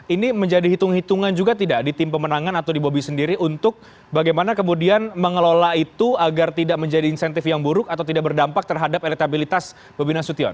ini menjadi hitung hitungan juga tidak di tim pemenangan atau di bobi sendiri untuk bagaimana kemudian mengelola itu agar tidak menjadi insentif yang buruk atau tidak berdampak terhadap elektabilitas bobi nasution